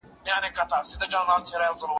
بس یو موږ یې د دوزخ د تلو لایق کړو